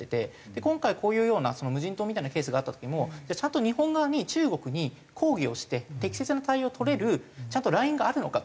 今回こういうような無人島みたいなケースがあった時もちゃんと日本側に中国に抗議をして適切な対応を取れるちゃんとラインがあるのかと。